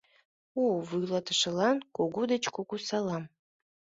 У вуйлатышылан кугу деч кугу салам!